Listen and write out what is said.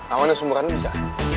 angkotnya sumber kan bisa